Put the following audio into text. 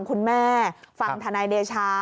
คุณแม่ฟังทนายเดชา